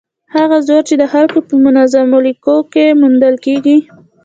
هغه زور چې د خلکو په منظمو لیکو کې موندل کېږي.